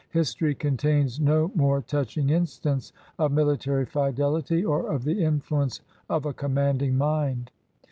His tory contains no more touching instance of military fidelity, or of the influence of a commanding mind.